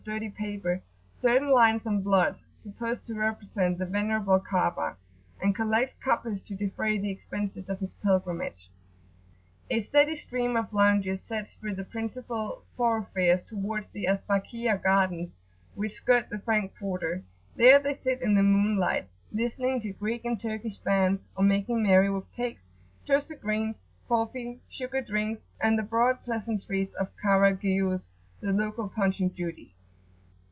81]dirty paper certain lines and blots, supposed to represent the venerable Ka'abah, and collects coppers to defray the expenses of his pilgrimage. A steady stream of loungers sets through the principal thoroughfares towards the Azbakiyah Gardens, which skirt the Frank quarter; there they sit in the moonlight, listening to Greek and Turkish bands, or making merry with cakes, toasted grains, coffee, sugared drinks, and the broad pleasantries of Kara Gyuz[FN#14] (the local Punch and Judy).